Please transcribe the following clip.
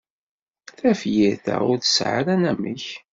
Tafyirt-a ur tesɛi anamek.